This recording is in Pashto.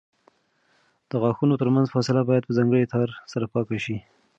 د غاښونو ترمنځ فاصله باید په ځانګړي تار سره پاکه شي.